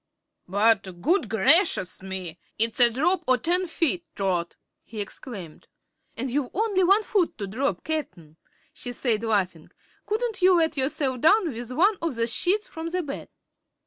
"But good gracious me! It's a drop o' ten feet, Trot," he exclaimed. "And you've only one foot to drop, Cap'n," she said, laughing. "Couldn't you let yourself down with one of the sheets from the bed?"